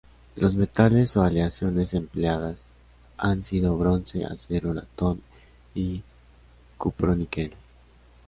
Los metales o aleaciones empleadas han sido bronce, acero, latón y cuproníquel.